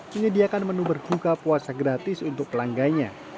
menyediakan menu berbuka puasa gratis untuk pelanggannya